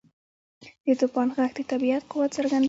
• د توپان ږغ د طبیعت قوت څرګندوي.